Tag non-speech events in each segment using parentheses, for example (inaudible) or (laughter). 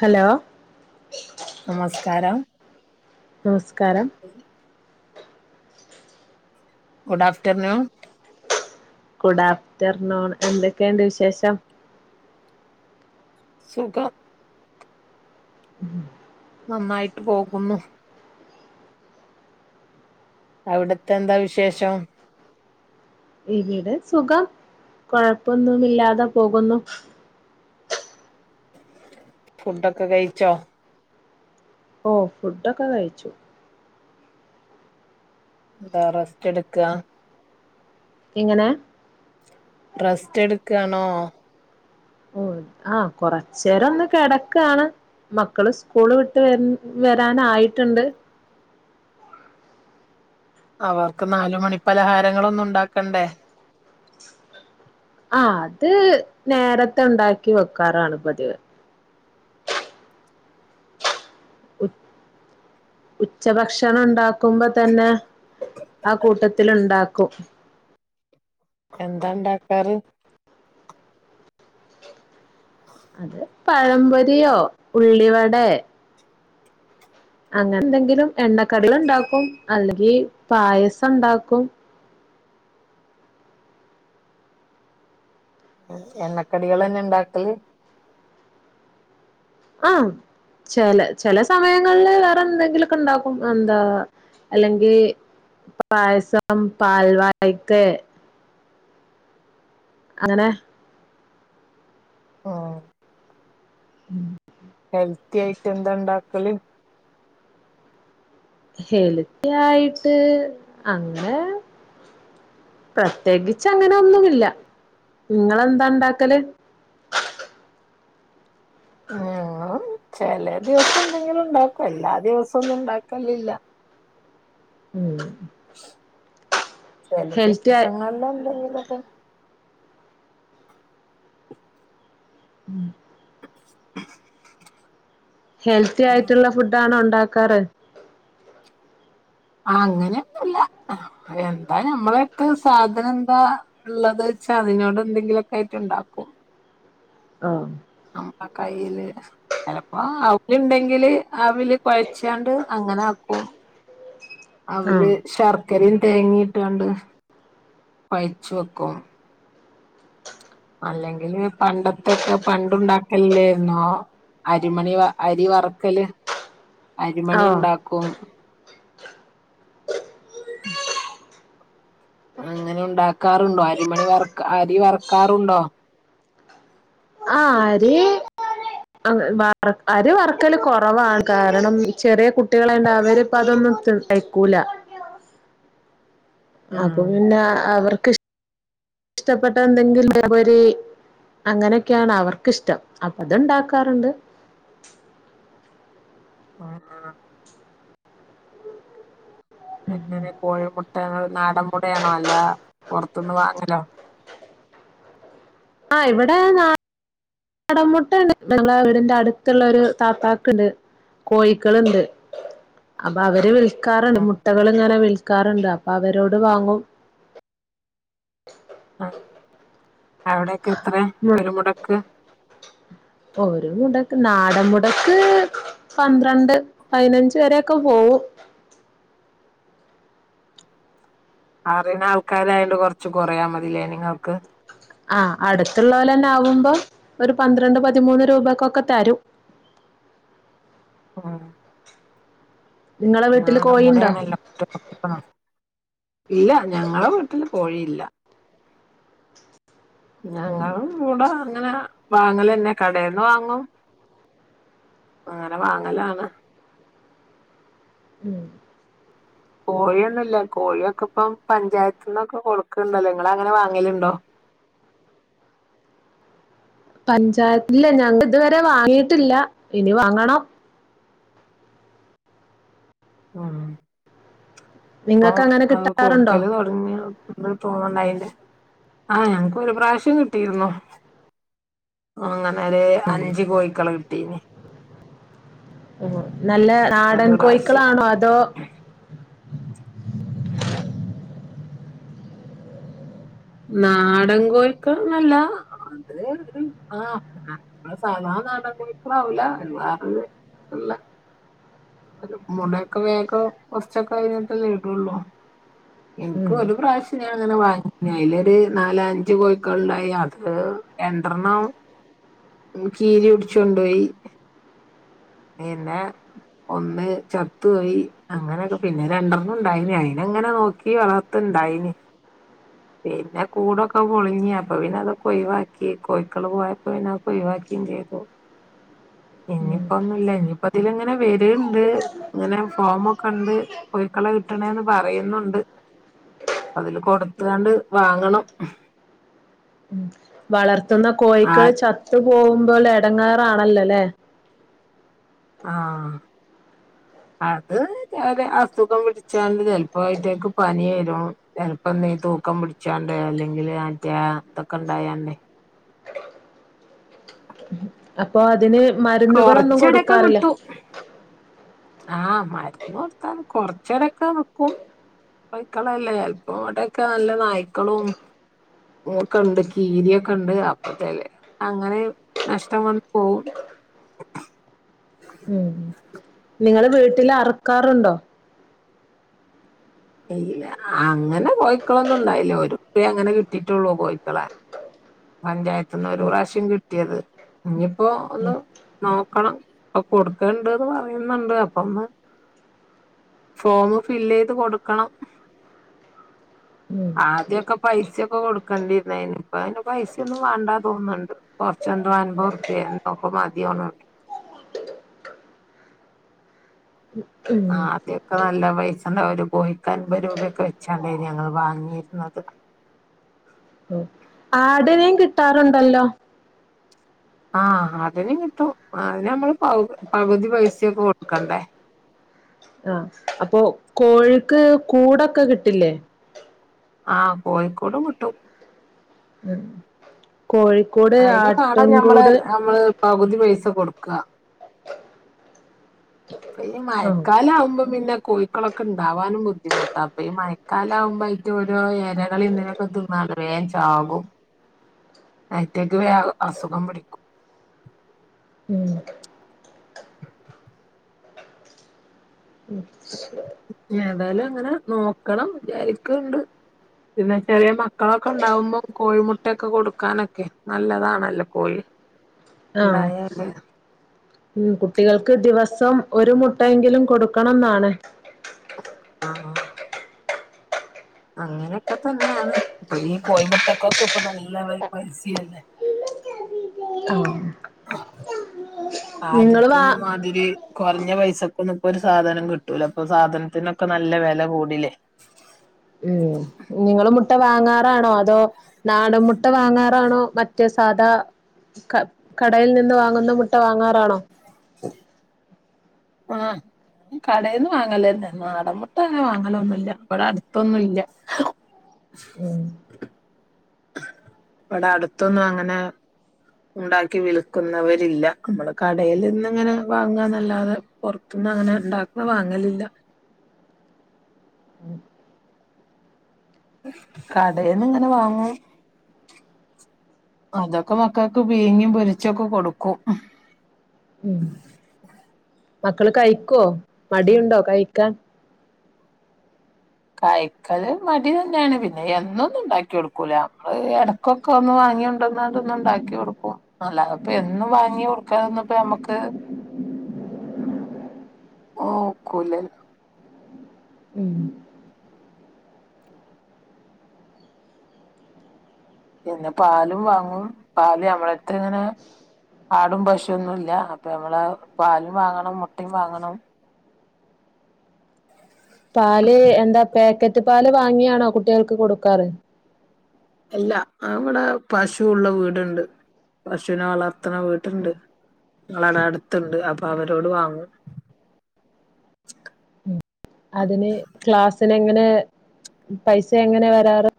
Hello നമസ്കാരം നമസ്കാരം good afternoon good afternoon എന്തൊക്കെയുണ്ട് വിശേഷം സുഖം ഉം നന്നായിട്ട് പോകുന്നു അവിടത്തെ എന്താ വിശേഷം ഇവിടെ സുഖം കൊഴപ്പൊന്നുമില്ലാതെ പോകുന്നു ഫുഡൊക്കെ കഴിച്ചോ ഓഹ് ഫുഡൊക്കെ കഴിച്ചു ന്താ റസ്റ്റ് എടുക്ക എങ്ങനെ റസ്റ്റ് എടുക്കാണോ ഓഹ് ആഹ് കൊറച്ചേരൊന്ന് കിടക്കാണ് മക്കള് സ്കൂള് വിട്ട് വ വരാനായിട്ടുണ്ട് അവർക്ക് നാല്മണി പലഹാരങ്ങളൊന്നുണ്ടാക്കണ്ടേ ആഹ് അത് നേരത്തെ ഉണ്ടാക്കി വെക്കാറാണ് പതിവ് ഉം ഉച്ചഭക്ഷണം ണ്ടാക്കുമ്പോ തന്നെ ആഹ് കൂട്ടത്തില് ണ്ടാക്കും എന്താ ണ്ടാക്കാറ് (inaudible) അത് പഴമ്പൊരിയോ ഉള്ളിവടെ അങ്ങനെന്തെങ്കിലും എണ്ണക്കടികൾ ണ്ടാക്കും അല്ലെങ്കി പായസണ്ടാക്കും (unintelligible) എണ്ണക്കടികളെന്നെ ണ്ടാക്കല് ആഹ് ചെല ചെല സമയങ്ങളില് വേറെന്തെങ്കിലൊക്കെ ണ്ടാക്കും എന്താ അല്ലെങ്കി പായസം പാൽവായക്കെ അങ്ങനെ ഓഹ് ഉം ഹെൽത്തി ആയിട്ട് എന്താ ണ്ടാക്കല് ഹെൽത്തി ആയിട്ട് അങ്ങനെ പ്രത്യേകിച്ച് അങ്ങനെ ഒന്നുമില്ല ഇങ്ങളെന്താ ഇണ്ടാക്കല് ഞാൻ ചെല ദിവസം എന്തെങ്കിലും ണ്ടാക്കും എല്ലാ ദിവസം ഒന്നും ണ്ടാക്കലില്ല ഉം ചെല ഹെൽത്തി ആയി ദിവസങ്ങളിലെന്തെങ്കിലൊക്കെ ഉം (unintelligible) ഹെൽത്തി ആയിട്ടുള്ള ഫുഡ് ആണോ ഉണ്ടാക്കാറ് ആഹ് അങ്ങനെയൊന്നുല്ല എന്താ ഞമ്മളെടുത് സാധനം എന്താ ഉള്ളത് വെച്ചാ അതിനോട് എന്തെങ്കിലൊക്കായിട്ട് ണ്ടാക്കും ആഹ് നമ്മ കയ്യില് ചിലപ്പോ അവില് ഉണ്ടെങ്കില് അവില് കുഴച്ചാണ്ട് അങ്ങനെ ആക്കും അവില് ആഹ് ശർ ക്കരിയും തേങ്ങിയിട്ടാണ്ട് കൊഴച്ച് വെക്കും അല്ലെങ്കില് പണ്ടത്തൊക്കെ പണ്ട ഉണ്ടാക്കലില്ലുന്നോ അരിമണി വ അരി വറക്കല് ഓ അരിമണി ഉണ്ടാക്കും അങ്ങനെ ഉണ്ടാക്കാറുണ്ടോ അരിമണി വ അരി വറു ക്കാറുണ്ടോ ആരി അഹ് വ അരി വർക്കല് കുറവാണ് കാരണം ചെറിയ കുട്ടിള്ണ്ട് അവരിപ്പ അതോന്നും തി, കഴിക്കുല അപ്പൊ ഉം പിന്നെ അവർ ഇഷ്ടപ്പെട്ട എന്തെങ്കിലും പൊരി അങ്ങനെയൊക്കെയാണ് അവർക്ക്ക്കിഷ്ടം അപ്പൊ അത്ണ്ടാക്കാറുണ്ട് ആഹ് ആഹ് എങ്ങനെ കോഴിമുട്ടകൾ നാടൻ മുടയാണോ അല്ല പുറത് ന്ന് വാങ്ങലോ ആഹ് ഇവിടെ നാ നാടൻ മുട്ട ഉണ്ട് ഞങ്ങള വീടിന്റെ അടുത്തുള്ള ഒരു താത്താക്ണ്ട് കോയ്ക്കള്ണ്ട് അപ്പൊ അവര് വിളി ക്കാറുണ്ട് ഉം മുട്ടകൾ ഇങ്ങനെ വിൽക്കാറുണ്ട് അപ്പൊ അവരോട് വാങ്ങും ആഹ് അവിടെക്കെ എത്ര ഒരു മുടക്ക് ഒരു മുടക്ക് നാടൻ മുടക്ക് പന്ത്രണ്ട് പതിനഞ്ച് വരൊക്കെ പോവും അറിണ ആൾക്കാരായണ്ട് കൊറച്ച് കൊറയാ മതില്ലേനിങ്ങൾക്ക് ആഹ് അടുത്തുള്ളോല്ന്നെ ആകുമ്പോ ഒരു പന്ത്രണ്ട് പതിമൂന്ന് രൂപക്കൊക്കെ തരും ആഹ് ങ്ങളെ വീട്ടില് നാടൻ കോഴി ണ്ടോ മുടയാണല്ലോ ഇല്ല ഞങ്ങളെ വീട്ടില് കോഴി യില്ല ങ്ങ ഉം മുടങ്ങനെ വാങ്ങലന്നെ കടേന്ന് വാങ്ങും അങ്ങനെ വാങ്ങലാണ് ഉം കോഴിയൊന്നുംല്ല കോഴിയൊക്കെ ഇപ്പം പഞ്ചായത്തിന്നൊക്കെ കൊടുക്കണ്ടല്ലോ ങ്ങള് അങ്ങനെ വാങ്ങലുണ്ടോ പഞ്ചായത്തില ഞങ്ങ ഇതുവരെ വാങ്ങിട്ടില്ല ഇനി വാങ്ങണം ഉം പ്പം നിങ്ങൾക്ക് അങ്ങനെ അത് കിട്ടാറുണ്ടോ കൊടുക്കല് തുടങ്ങി ന്ത് തോന്നുണ്ട അയ്ന്റെ ആഹ് ഞങ്ങക്ക് ഒരു പ്രാവശ്യം കിട്ടിയിരുന്നു അങ്ങനെരു അഞ്ച് കോഴിക്കള് കിട്ടീന് ഉം നല്ല നാടൻ ഒരു പ്രാവശ്യം കോഴിക്കളാണോ അതോ നാടൻ കോഴിക്കളന്നല്ല അത് രു ആഹ് അത് സാധനാടൻ കോഴിക്കളാവൂല (unintelligible) ഓര് മുടയൊക്കെ വേഗോ കുറച്ചൊക്കെ കഴിഞ്ഞിട്ട് ഇടൊള്ളൂ എനിക്ക് ഉം ഒരു പ്രാവശ്യ ഞൻങ്ങനെ വാങ്ങിഞ്ഞി അയ്ലൊരു നാല അഞ്ച കോഴിക്കള്ണ്ടായി അത് രണ്ടെണ്ണം കീരി പിടിച്ചൊണ്ട് പൊയി പിന്നെ ഒന്ന് ചത്തോയി അങ്ങനെയൊക്കെ പിന്നെ രണ്ടെണ്ണം ണ്ടായിഞ്ഞി അയിന്ങ്ങനെ നോക്കി വളർത്തുണ്ടായിഞ്ഞി പിന്നെ കൂടൊക്കെ പൊളിഞ് അപ്പൊ പിന്നെ അതൊക്കെ ഒഴിവാക്കി കോഴിക്കള് പോയപ്പോ പിന്നെ അതൊക്കെ ഓയി വാക്കിയും ചെയ്തു ഉം ഇനിയിപ്പോ ഒന്നുല്ല ഇനിയിപ്പോ തിലങ്ങനെ വരിണ്ട് ഇങ്ങനെ ഫോമൊക്കെ ഉണ്ട് കോഴി ക്കള കിട്ടണേന്ന് പറയുന്നുണ്ട് അതില് കൊടുത്താണ്ട് വാങ്ങണം ഉം വളർത്തുന്ന ആ കോഴിക്കൾ ചത്തു പോഉമ്പോൾ എടങ്ങേറാണല്ലോല്ലേ ആഹ് അത് ചാഅല് അസുഖം പിടിച്ചാണ്ട് ചെലപ്പം ആയിറ്റക്ക് പനി വരും ചിലപ്പം ഈ തൂക്കം പിടിച്ചാണ്ട് അല്ലെങ്കില് മറ്റ ആന്തൊക്കെ ഇണ്ടായണ്ടേ അപ്പൊ അതിന് മരുന്നുകളൊന്നും കൊറച്ചടൊക്കെ കൊടുക്കാറില്ല കിട്ടും ആഹ് മരുന്ന് കൊടുത്താനിക്കും കൊറച്ചേരോക്കെ നിക്കും കോഴ്‌ക്കളല്ലേ ചെൽപ്പൊ ഇവിടെക്കെ നല്ല നായ്ക്കളും ഓക്കേണ്ട് കീരിയൊക്കെ ഉണ്ട് അപ്പ ത്തേല് അങ്ങനെ നഷ്ടം വന്നു പോവും ഉം നിങ്ങള് വീട്ടില് അറ്ക്കാറുണ്ടോ ഇല്ല അങ്ങനെ കോഴിക്കളൊന്നും ഇണ്ടായില്ലേ ഒരു (unintelligible) അങ്ങനെ കിട്ടിട്ടുള്ളൂ കോഴിക്കളെ പഞ്ചായത്ത്ന്ന് ഒരു പ്രാവശ്യം കിട്ടിയത് ഇഞ്പ്പോ ഒന്ന് നോക്കണം ഇപ്പം കൊടുക്കണണ്ട്ന്ന് പറയുന്നുണ്ട് അപ്പൊ ഒന്ന് ഫോമ്മ് ഫില്ലെയ്ത് കൊടുക്കണം ഉം ആദ്യയൊക്കെ പൈസൊക്കെ കൊടുക്കേണ്ടിരുന്നായിന് ഇപ്പ അതിന് പൈസ ഒന്നും വേണ്ടാ തോന്നുന്നുണ്ട് കൊറച്ചെന്തോ അൻമ്പൊർപ്യെ എന്തൊക്കെ മതിയോന്ന്ണ്ട് ഉം അദ്യൊക്കെ നല്ല പൈസണ്ട ഒരു കോഴിക്ക് അൻപത് രൂപയൊക്കെ വെച്ചാണ്ടേയ്നി ഞങ്ങള് വാങ്ങിര്ന്നത് ആടിനേം കിട്ടാറുണ്ടല്ലോ ആഹ് ആടിനിം കിട്ടും അതിന് നമ്മള് പൗ പകുതി പൈസൊക്കെ കൊടുക്കണ്ടേ ആഹ് അപ്പൊ കോഴിക്ക് കൂടൊക്കെ കിട്ടില്ലേ ആഹ് കോഴിക്കൂടും കിട്ടും ഉം കോഴിക്കൂട് അയിന് വേണം ഞമ്മള് ആട്ടുംകൂട് നമ്മള് പകുതി പൈസ കൊടുക്ക്അ ഈ ആഹ് മഴക്കാല ആവുമ്പം പിന്നെ കോഴി ക്കളൊക്കെ ഇണ്ടാവാനും ബുദ്ധിമുട്ടാ ഇപ്പ ഈ മഴക്കാലാവുമ്പോ ആയിറ്റ ഓരോ എരകളിന്ന്നെ പ്പ തിന്നാണ്ട് വേം ചാകും അയ്റ്റക്ക് വേഗം അസുഖം പിടിക്കും ഉം (unintelligible) ഏതായാലും അങ്ങനെ നോക്കണം വിചാരിക്കണ്ട് പിന്നെ ചെറിയെ മക്കളൊക്കെ ഉണ്ടാവുമ്പം കോഴിമുട്ടൊക്കെ കൊടുക്കാനൊക്കെ നല്ലതാണല്ലോ കോഴി ആഹ് ണ്ടായാല് ഉം കുട്ടികൾക്ക് ദിവസം ഒരു മുട്ടയെങ്കിലും കൊടുക്കണം ന്നാണ് ആഹ് ആഹ് അങ്ങനെയൊക്കെ തന്നെയാണ് ഇപ്പൊ ഈ കോയമുട്ടക്കൊക്കെ ഇപ്പൊ നല്ല പൈസിയല്ലേ ആഹ് നിങ്ങള് വാ ആദ്യത്തൊന്നും മാതിരി കൊറഞ്ഞ പൈസക്കന്നും ഇപ്പൊ ഒരു സാധനം കിട്ടൂല ഇപ്പൊ സാധനത്തിനൊക്കെ നല്ല വെല കൂടിലേ ഉം ഇഞ് ങ്ങൾ മുട്ട വാങ്ങാറാണോ അതോ നാടമ്മുട്ട വാങ്ങാറാണോ മറ്റേ സാധാ ക കടയിൽ നിന്ന് വാങ്ങുന്ന മുട്ട വാങ്ങാറാണോ (inaudible) ആഹ് കടേന്ന് വാങ്ങലെന്നെ നടമ്മുട്ട അങ്ങനെ വാങ്ങലൊന്നുല്ല ബടെ അടുത്തൊന്നും ഇല്ല ഉം ബടെ അടുത്തൊന്നും അങ്ങനെ ഉണ്ടാക്കി വിൽക്കുന്നവരില്ല നമ്മള് കടയിൽ നിന്നിങ്ങനെ വാങ്ങാന്നല്ലാതെ പൊർത്ത്ങ്ങനെ ണ്ടാക്ക്ണെ വാങ്ങലില്ല. കടേന്ന്ങ്ങനെ വാങ്ങും. അതൊക്കെ മക്കൾക്ക് പീങ്യിം പൊരിച്ചൊക്കെ കൊടുക്കും ഉം മക്കള് കഴിക്കൊ മടിയുണ്ടോ കഴിക്കാൻ. കായ്ക്കല് മടി തന്നെയാണ് പിന്നെ എന്നൊന്നും ഉണ്ടാക്കി കൊടുക്കൂല നമ്മള് ഇടക്കൊക്കെ ഒന്ന് വാങ്ങി കൊണ്ടെന്നാണ്ടൊന്ന് ണ്ടാക്കി കൊടുക്കും അല്ലാതെ പ്പൊ എന്നും വാങ്ങി കൊട് ക്കാന്ന്പ്പോ ഞമ്മുക്ക് ഒ ക്കൂലലൊ. ഉം പിന്നെ പാലും വാങ്ങും പാല് ഞമ്മളെര്ത്ത് ഇങ്ങനെ ആടും പശൊന്നുംല്ല അപ്പ നമ്മള പാലും വാങ്ങണം മുട്ടയും വാങ്ങണം പാല് എന്താ പാക്കറ്റ് പാല് വാങ്ങിയാണോ കുട്ടികൾക്ക് കൊടുക്കാറ്. അല്ല അവിടെ പശുള്ള വീടുണ്ട് പശുവിനെ വളർത് ത്തണ വീട്ടുണ്ട് ങ്ങളടെ അടുത്തണ്ട് അപ്പൊ അവരോട് വാങ്ങും. അതിന് ഗ്ലാസിന് എങ്ങനെ പൈസ എങ്ങനെ വരാറ്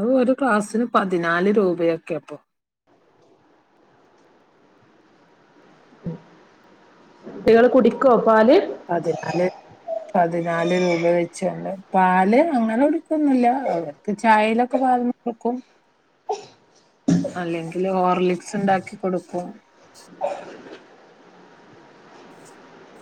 ഓ ഒരു ക്ലാസിന് പതിനാല് രൂപയൊക്കെ അപ്പൊ കുട്ടികള് കുടിക്കൊ പാല് അതെ ന്നാല് പതിനാല് രൂപ ഒഴിച്ചണ്ട് പാല് അങ്ങനെ കുടിക്കൊന്നുല്ല അവർക്ക് ചായയിലൊക്കെ പാലൊ ക്കും അല്ലെങ്കിൽ ഹോർലിക്സ് ഉണ്ടാക്കി കൊടുക്കും. (inaudible)